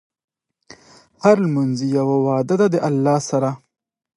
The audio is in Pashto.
هره لمونځ یوه وعده ده د الله سره.